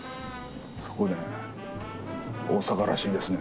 そこね大阪らしいですね。